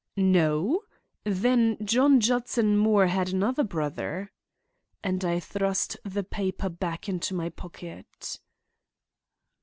"No? Then John Judson Moore had another brother." And I thrust the paper back into my pocket.